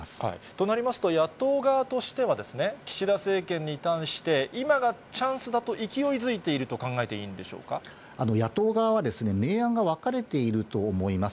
となりますと、野党側としては岸田政権に対して、今がチャンスだと勢いづいている野党側は明暗が分かれていると思います。